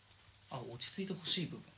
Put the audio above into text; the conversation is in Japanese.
落ち着いてほしい部分？